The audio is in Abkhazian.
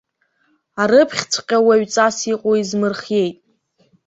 Арыԥхьҵәҟьа уаҩҵас иҟоу измырхиеит.